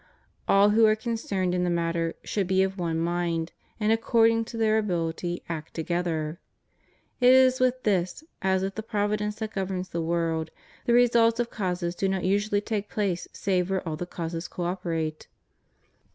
All who are concerned in the matter should be of one mind and according to their ability act together. It is with this, as with the Providence that governs the world: the results of causes do not usually take place save where all the causes co operate.